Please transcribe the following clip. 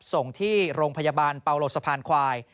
ส่งที่โรงพยาบาลเปาโหลดสะพานควาย